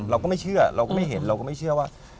เราก็ไม่เชื่อเราก็ไม่เห็นเราก็ไม่เชื่อว่า